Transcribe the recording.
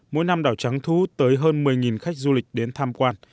mỗi năm đảo trắng thú tới hơn một mươi khách du lịch đến tham quan